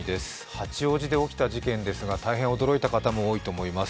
八王子で起きた事件で大変驚いた方も多いと思います。